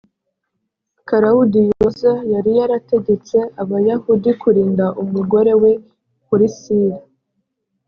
kalawudiyoza yari yarategetse abayahudi kurinda umugore we pulisila